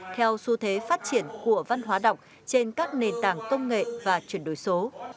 theo xu thế phát triển của văn hóa đọc trên các nền tảng công nghệ và chuyển đổi số